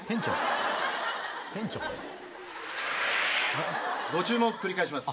店長？ご注文繰り返します。